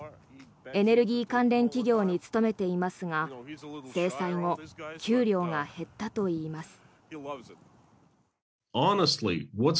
エネルギー関連企業に勤めていますが制裁後給料が減ったといいます。